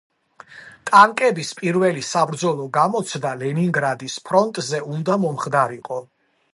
ტანკების პირველი საბრძოლო გამოცდა ლენინგრადის ფრონტზე უნდა მომხდარიყო.